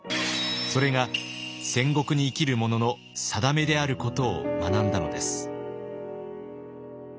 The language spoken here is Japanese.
それが戦国に生きる者の定めであることを学んだのです。